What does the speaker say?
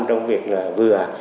trong việc là vừa